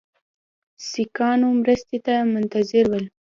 سیکهانو مرستې ته منتظر ول.